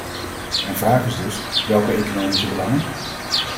Mijn vraag is dus: welke economische belangen?